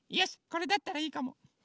これだったらいいかも。